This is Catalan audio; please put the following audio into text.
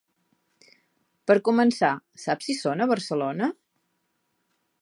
Per començar, saps si són a Barcelona?